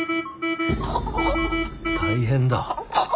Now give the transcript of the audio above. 大変だ。